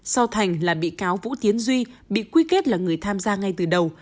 sau thành là bị cáo vũ tiến duy bị quy kết là người tham gia ngay từ đầu